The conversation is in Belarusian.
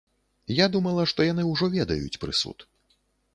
Я думала, што яны ўжо ведаюць прысуд.